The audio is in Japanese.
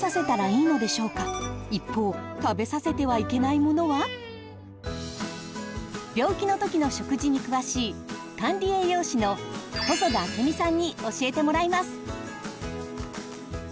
子どもが体調をくずしたとき病気のときの食事に詳しい管理栄養士の細田明美さんに教えてもらいます！